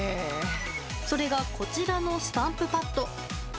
それがこちらのスタンプパッド。